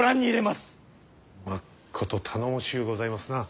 まっこと頼もしゅうございますな。